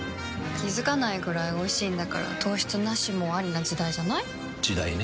気付かないくらいおいしいんだから糖質ナシもアリな時代じゃない？時代ね。